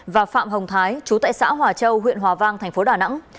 và phạm hồng thái chú tại xã hòa châu huyện hòa vang thành phố đà nẵng